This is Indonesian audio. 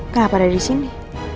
kenapa ada disini